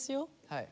はい。